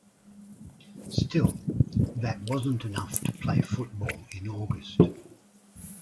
Still, that wasn't enough to play football in August.